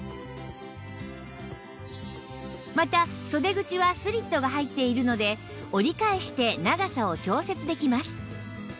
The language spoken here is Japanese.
また袖口はスリットが入っているので折り返して長さを調節できます